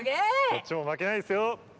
こっちもまけないですよ。